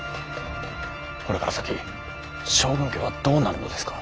これから先将軍家はどうなるのですか？